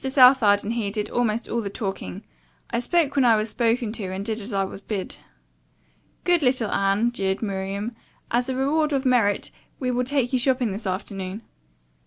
Southard and he did almost all the talking. I spoke when I was spoken to and did as I was bid." "Good little Anne," jeered Miriam. "As a reward of merit we will take you shopping this afternoon."